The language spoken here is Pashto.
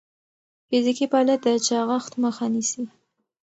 فزیکي فعالیت د چاغښت مخه نیسي.